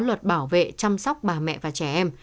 luật bảo vệ chăm sóc bà mẹ và trẻ em